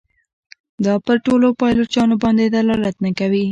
دا پر ټولو پایلوچانو باندي دلالت نه کوي.